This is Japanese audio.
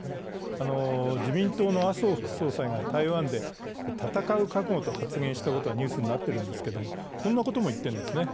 自民党の麻生副総裁が台湾で、戦う覚悟と発言したことがニュースになっているんですがこんなことも言っているんですね。